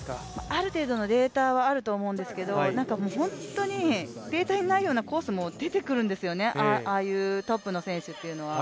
ある程度のデータはあると思うんですけど、データにないようなコースも出てくるんですよね、ああいうトップの選手というのは。